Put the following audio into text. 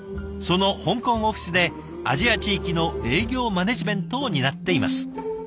その香港オフィスでアジア地域の営業マネジメントを担っています。